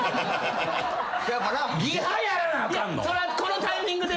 そらこのタイミングで。